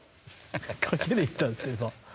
賭けで言ったんですよ今。